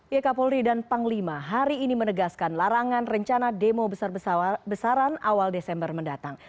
ya kapolri dan panglima hari ini menegaskan larangan rencana demo besar besaran awal desember mendatang